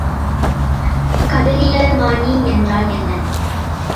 கதிரியல்மானி என்றால் என்ன?